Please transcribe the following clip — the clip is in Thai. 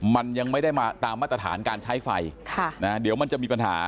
มันยังไม่ได้มาตามมาตรฐานการใช้ไฟเดี๋ยวมันจะมีปัญหา